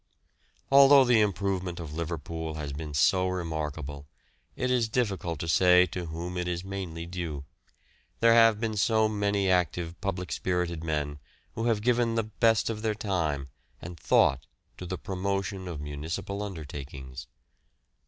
Although the improvement of Liverpool has been so remarkable, it is difficult to say to whom it is mainly due; there have been so many active public spirited men who have given the best of their time and thought to the promotion of municipal undertakings.